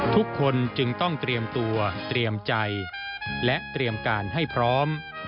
ทุกคนจึงต้องเตรียมตัวเตรียมใจและเตรียมการให้พร้อม